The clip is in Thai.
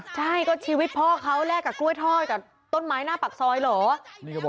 ใช่ก็ชีวิตพ่อเขาแลกกับกล้วยทอดกับต้นไม้หน้าปากซอยเหรอ